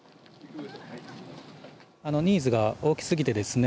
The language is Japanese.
ニーズが大きすぎてですね